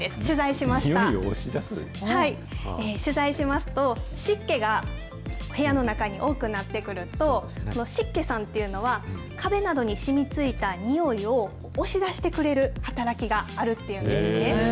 取材しますと、湿気が部屋の中に多くなってくると、この湿気さんというのは、壁などにしみついたにおいを押し出してくれる働きがあるっていうんですね。